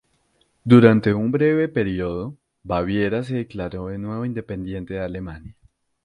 Durante un breve período, Baviera se declaró de nuevo independiente de Alemania.